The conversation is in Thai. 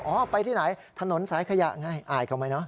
ไปที่ไหนถนนสายขยะไงอายเขาไหมเนาะ